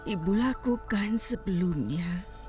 ibu lakukan sebelumnya